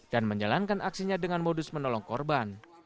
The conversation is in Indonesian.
dan menjalankan aksinya dengan modus menolong korban